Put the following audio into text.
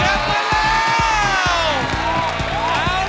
เลือกมาแล้ว